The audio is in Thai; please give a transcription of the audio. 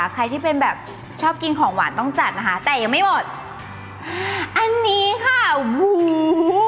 ใครที่เป็นแบบชอบกินของหวานต้องจัดนะคะแต่ยังไม่หมดอันนี้ค่ะหมู